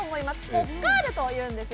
ポッカールというんです。